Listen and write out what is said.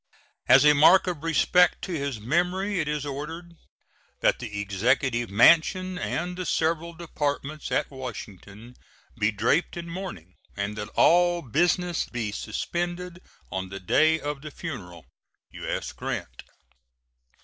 As a mark of respect to his memory it is ordered that the Executive Mansion and the several Departments at Washington be draped in mourning, and that all business be suspended on the day of the funeral. U.S. GRANT.